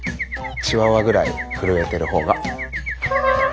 チワワぐらい震えてるほうが。